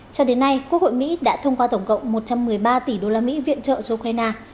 cho đến nay quốc hội mỹ đã thông qua tổng cộng một trăm một mươi ba tỷ đô la mỹ viện trợ cho ukraine